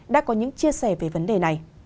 đã có những chia sẻ về vấn đề này